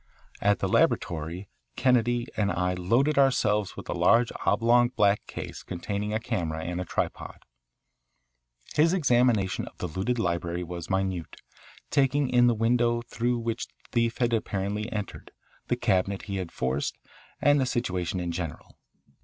At the laboratory Kennedy and I loaded ourselves with a large oblong black case containing a camera and a tripod. His examination of the looted library was minute, taking in the window through which the thief had apparently entered, the cabinet he had forced, and the situation in general.